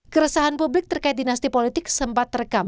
keresahan publik terkait dinasti politik sempat terekam